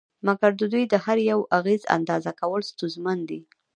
مګر د دوی د هر یوه اغېز اندازه کول ستونزمن دي